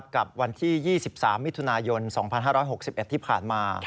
กับวันที่๒๓มิถุนายน๒๕๖๑ที่ผ่านมา